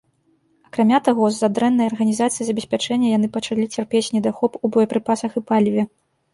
Акрамя таго, з-за дрэннай арганізацыі забеспячэння яны пачалі цярпець недахоп у боепрыпасах і паліве.